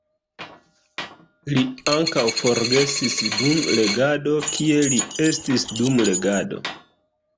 Li ankaŭ forgesis dum legado, kie li estis dum legado.